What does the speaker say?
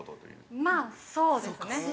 ◆まあ、そうですね。